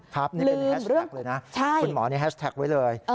ครับนี่เป็นแฮชแท็กเลยนะคุณหมอนี่แฮชแท็กไว้เลย